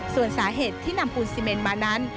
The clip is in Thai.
ส่วนสาเหตุที่นำปูนซีเมนมานั้น